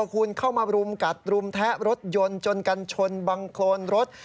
คุณเข้ามารุมกัดรุมแทะรถยนต์จนกันชนบังโครนรถ